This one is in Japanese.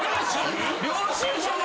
領収書の？